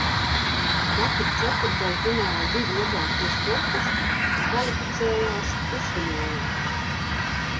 Katra ceturdaļfināla divi labākie sportisti kvalificējās pusfinālam.